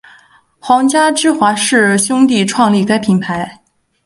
皇家芝华士兄弟创立该品牌。